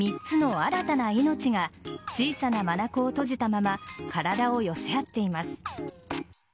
３つの新たな命が小さな眼を閉じたまま体を寄せ合っています。